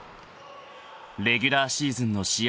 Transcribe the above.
［レギュラーシーズンの試合